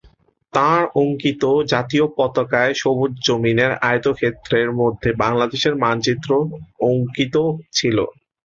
তাঁর অঙ্কিত জাতীয় পতাকায় সবুজ জমিনের আয়তক্ষেত্রের মধ্যে বাংলাদেশের মানচিত্র অঙ্কিত ছিল।